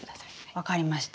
分かりました。